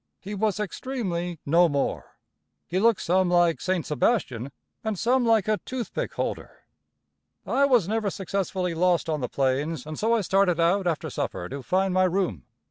He was extremely no more. He looked some like Saint Sebastian, and some like a toothpick holder. I was never successfully lost on the plains, and so I started out after supper to find my room.